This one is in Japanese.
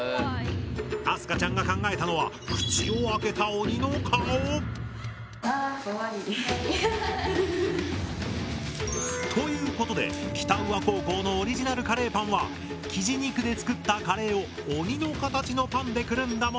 あすかちゃんが考えたのはあかわいい。ということで北宇和高校のオリジナルカレーパンはきじ肉で作ったカレーを鬼の形のパンでくるんだものに決まった！